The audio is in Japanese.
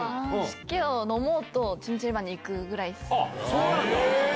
そうなんだ！